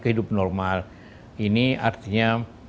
ke hidup normal ini artinya